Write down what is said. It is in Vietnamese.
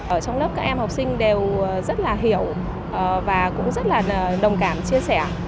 ở trong lớp các em học sinh đều rất là hiểu và cũng rất là đồng cảm chia sẻ